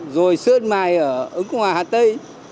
rồi sơn mai ở ứng hòa hạt tây